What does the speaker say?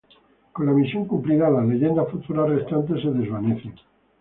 Con la misión cumplida, las Leyendas futuras restantes se desvanecen.